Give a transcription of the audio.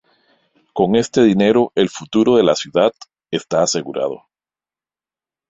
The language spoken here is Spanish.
Con este dinero el futuro de la "ciudad" está asegurado.